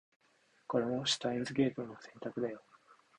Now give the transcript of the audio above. これもシュタインズゲートの選択だよ